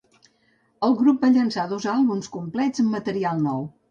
El grup va llançar dos àlbums complets amb material nou.